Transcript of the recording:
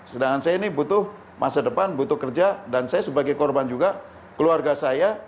sedangkan saya ini butuh masa depan butuh kerja dan saya sebagai korban juga keluarga saya